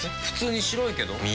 普通に白いけど。